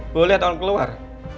bu lihat orang keluar